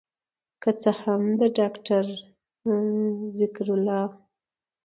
که څه هم د داکتر ذکر الله